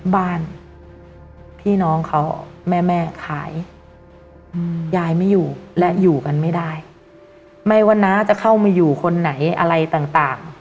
บ้านพี่น้องเขาแม่แม่ขายยายไม่อยู่และอยู่กันไม่ได้ไม่ว่าน้าจะเข้ามาอยู่คนไหนอะไรต่าง